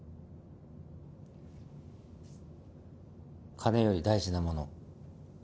金より大事なもの。